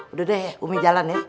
udah deh umi jalan ya